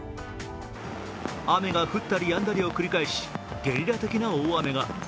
雨が降ったりやんだりを繰り返し、ゲリラ的な大雨が。